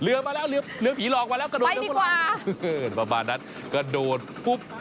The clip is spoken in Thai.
มาแล้วเรือเรือผีหลอกมาแล้วกระโดดเรือประมาณนั้นกระโดดปุ๊บ